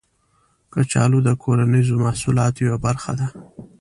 کچالو د کرنیزو محصولاتو یوه برخه ده